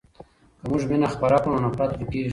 که موږ مینه خپره کړو نو نفرت ورکېږي.